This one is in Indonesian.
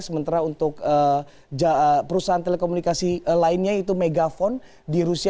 sementara untuk perusahaan telekomunikasi lainnya yaitu megaphone di rusia